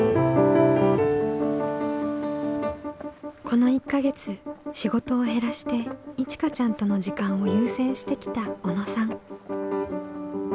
この１か月仕事を減らしていちかちゃんとの時間を優先してきた小野さん。